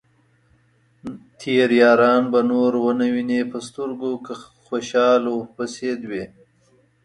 تېر ياران به نور ؤنه وينې په سترګو ، که خوشال ورپسې دوې